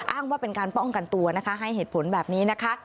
อ้างว่าเป็นการป้องกันตัวนะคะให้เหตุผลแบบนี้นะคะ